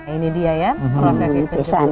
ini dia ya proses penjemputan